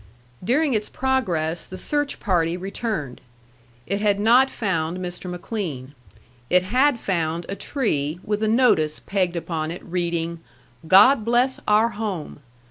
During its progress the search party returned. It had not found Mr. McLean. It had found a tree with a notice pegged upon it, reading, "God bless our home!"